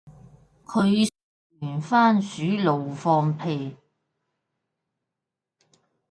佢食完蕃薯怒放屁